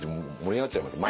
舞い上がっちゃいます。